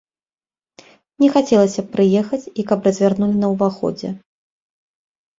Не хацелася б прыехаць, і каб развярнулі на ўваходзе.